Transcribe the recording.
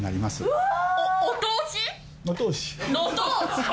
うわ！